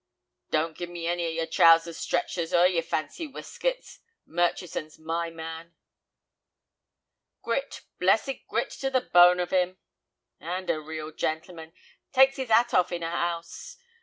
"Don't give me any of yer 'trousers stretchers' or yer fancy weskits—Murchison's my man." "Grit, blessed grit to the bone of 'im." "And a real gentleman. Takes 'is 'at off in a 'ouse.